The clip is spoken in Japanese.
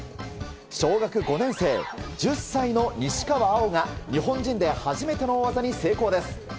小学５年生、１０歳の西川有生が日本人で初めての大技に成功です。